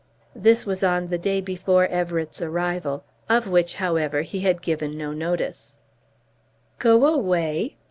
This was on the day before Everett's arrival, of which, however, he had given no notice. "Go away!